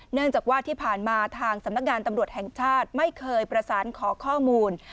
เนื่องจากว่าที่ผ่านมาทางสำนักงานตำรวจแห่งชาติไม่เคยประสานขอข้อมูล